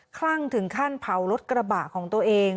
คลั่งถึงขั้นเผารถกระบะของตัวเอง